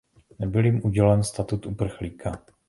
Nebyl jim udělen statut uprchlíka.